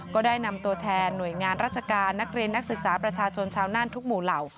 ก็ได้นำตัวแทนหน่วยงานราชการนักเรียนนักศึกษาประชาชนชาวน่านทุกหมู่เหล่า